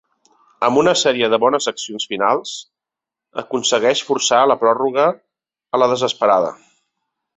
Amb una sèrie de bones accions finals, aconseguix forçar la pròrroga a la desesperada.